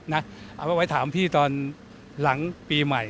เอาไว้ถามพี่ตอนหลังปีใหม่